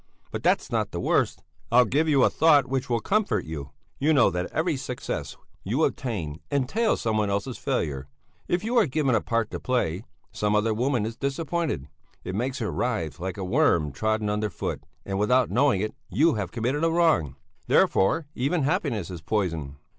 But that's not the worst. I'll give you a thought which will comfort you. You know that every success you attain entails someone else's failure; if you are given a part to play, some other woman is disappointed; it makes her writhe like a worm trodden under foot, and without knowing it you have committed a wrong; therefore, even happiness is poisoned.